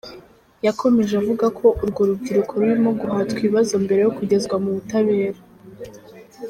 Yakomeje avuga ko urwo rubyiruko rurimo guhatwa ibibazo mbere yo kugezwa mu butabera.